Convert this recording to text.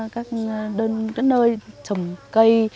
các nơi trồng cây